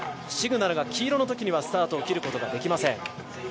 シグナルが黄色のときにはスタートを切ることができません。